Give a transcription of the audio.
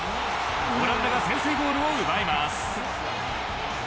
オランダが先制ゴールを奪います。